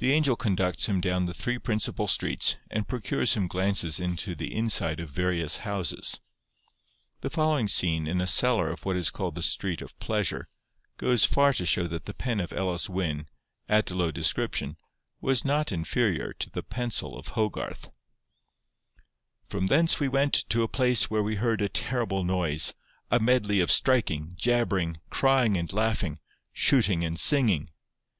The angel conducts him down the three principal streets, and procures him glances into the inside of various houses. The following scene in a cellar of what is called the street of Pleasure, goes far to show that the pen of Elis Wyn, at low description, was not inferior to the pencil of Hogarth:— 'From thence we went to a place where we heard a terrible noise, a medley of striking, jabbering, crying and laughing, shooting and singing.